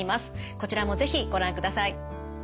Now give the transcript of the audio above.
こちらも是非ご覧ください。